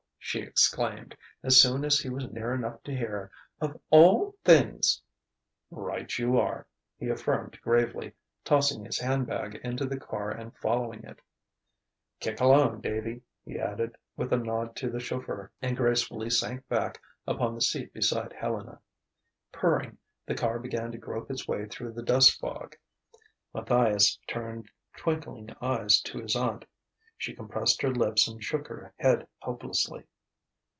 she exclaimed, as soon as he was near enough to hear "of all things !" "Right you are!" he affirmed gravely, tossing his handbag into the car and following it. "Kick along, Davy," he added, with a nod to the chauffeur; and gracefully sank back upon the seat beside Helena. Purring, the car began to grope its way through the dust fog. Matthias turned twinkling eyes to his aunt. She compressed her lips and shook her head helplessly.